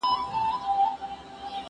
زه او ټوله نړۍ پوهېږي!